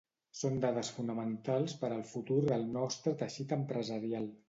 Són dades fonamentals per al futur del nostre teixit empresarial.